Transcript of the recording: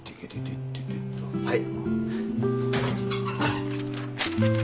はい。